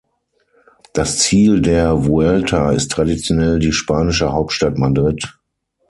Das Ziel der Vuelta ist traditionell die spanische Hauptstadt Madrid.